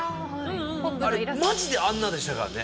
あれマジであんなでしたからね